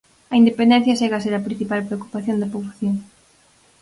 A independencia segue a ser a principal preocupación da poboación.